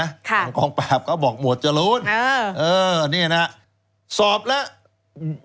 ทางกองปราบก็บอกหมวดจรูนเออเออนี่นะฮะสอบแล้ว